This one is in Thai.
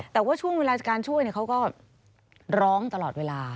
แต่ว่าช่วงเวลาจากการช่วยเขาก็ร้องตลอดเวลา